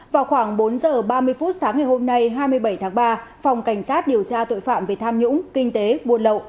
vào khoảng bốn giờ ba mươi phút sáng ngày hôm nay hai mươi bảy tháng ba phòng cảnh sát điều tra tội phạm về tham nhũng kinh tế buôn lậu